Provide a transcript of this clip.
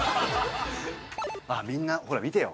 あっみんなほら見てよ。